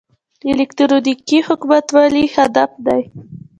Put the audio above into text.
الکترونیکي حکومتولي هدف دی